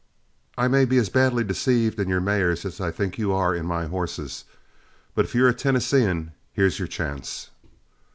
I may be as badly deceived in your mare as I think you are in my horse; but if you're a Tennesseean, here's your chance."